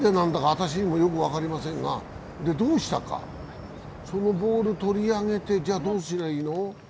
私にもよく分かりませんが、どうしたか、そのボール、取り上げてじゃ、どうすりゃいいの？